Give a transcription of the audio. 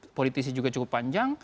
politisi juga cukup panjang